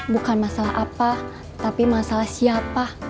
bukan masalah apa tapi masalah siapa